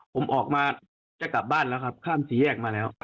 ผมออกมาจะกลับบ้านแล้วครับข้ามสี่แยกมาแล้ว